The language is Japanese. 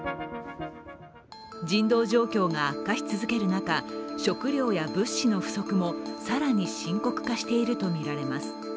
人道状況が悪化し続ける中、食料や物資の不足も更に深刻化しているとみられます。